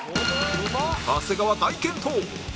長谷川大健闘！